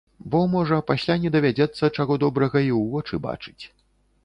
Бо, можа, пасля не давядзецца, чаго добрага, і ў вочы бачыць.